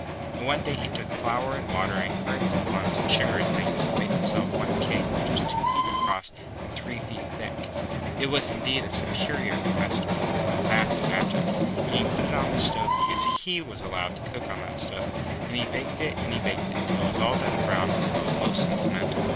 And one day he took flour and water and currants and plums and sugar and things, and made himself one cake which was two feet across and three feet thick. It was indeed a Superior Comestible (that's magic), and he put it on stove because he was allowed to cook on the stove, and he baked it and he baked it till it was all done brown and smelt most sentimental.